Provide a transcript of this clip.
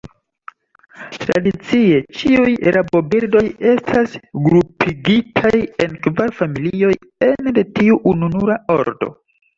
Tradicie ĉiuj rabobirdoj estas grupigitaj en kvar familioj ene de tiu ununura ordo.